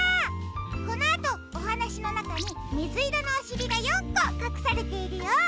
このあとおはなしのなかにみずいろのおしりが４こかくされているよ。